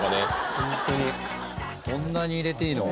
こんなに入れていいの？